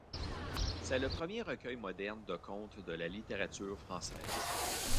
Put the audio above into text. C'est le premier recueil moderne de contes de la littérature française.